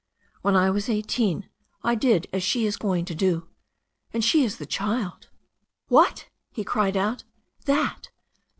"When I was eighteen I did as she is going to do, and she is the child." "What !" he cried out. "That